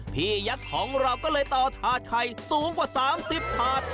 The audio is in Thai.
พี่ยักษ์ของเราก็เลยต่อธาตุไข่สูงกว่า๓๐ธาตุ